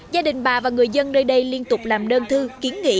gia đình bà và người dân nơi đây liên tục làm đơn thư kiến nghị